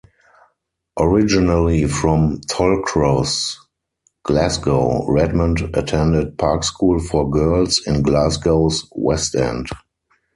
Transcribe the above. Originally from Tollcross, Glasgow, Redmond attended Park School for Girls in Glasgow's West End.